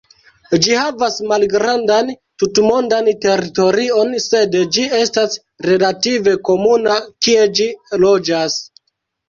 Ĝi havas malgrandan tutmondan teritorion sed ĝi estas relative komuna kie ĝi loĝas.